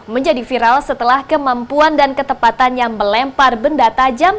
menjadi viral setelah kemampuan dan ketepatannya melempar benda tajam